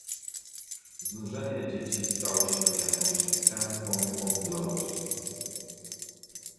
"Znużenie dzieci stało się jakąś tępą omdlałością."